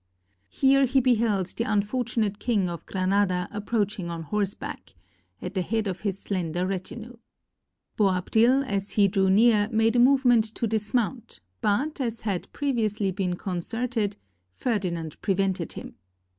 Here he beheld the unfortunate King of Granada approaching on horseback, at the head of his slender retinue. Boabdil as he drew near made a move ment to dismount, but, as had previously been con certed, Ferdinand prevented him.